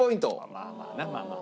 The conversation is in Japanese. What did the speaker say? まあまあまあまあ。